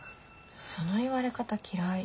その言われ方嫌い。